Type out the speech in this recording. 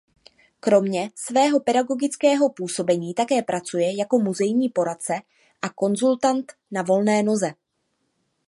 Kromě svého pedagogického působení také pracuje jako muzejní poradce a konzultant na volné noze.